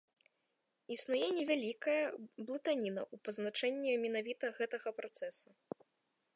Існуе невялікая блытаніна ў пазначэнні менавіта гэтага працэсара.